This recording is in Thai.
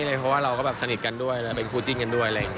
เพราะว่าเราก็สนิทกันด้วยและเป็นคุณจริงกันด้วย